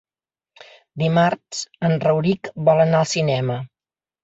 Dimarts en Rauric vol anar al cinema.